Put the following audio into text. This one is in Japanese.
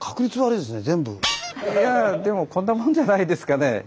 いやぁでもこんなもんじゃないですかね。